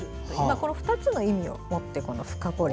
この２つの意味をもって「深掘り」。